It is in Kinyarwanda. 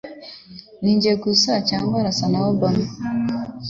Ninjye gusa cyangwa arasa na Obama?